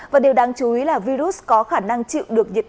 và điều đáng chú ý là virus có khả năng chịu được bệnh